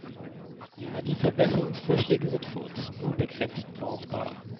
Die Verbesserungsvorschläge sind für uns nur begrenzt brauchbar.